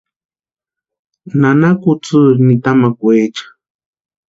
Nana kutsïiri nitamakwaecha.